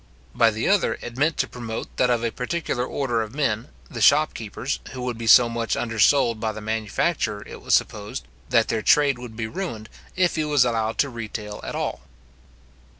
By the other, it meant to promote that of a particular order of men, the shopkeepers, who would be so much undersold by the manufacturer, it was supposed, that their trade would be ruined, if he was allowed to retail at all.